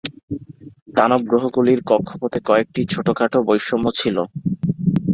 দানব গ্রহগুলির কক্ষপথে কয়েকটি ছোটোখাটো বৈষম্য ছিল।